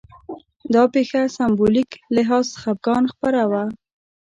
دا پېښه سېمبولیک لحاظ خپګان خبره وه